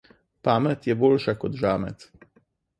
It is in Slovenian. Pamet je boljša kot žamet.